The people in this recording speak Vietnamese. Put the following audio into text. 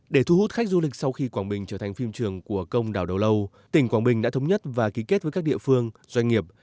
để thu hút khách du lịch sau khi quảng bình trở thành phim trường của công đảo đầu lâu tỉnh quảng bình đã thống nhất và ký kết với các địa phương doanh nghiệp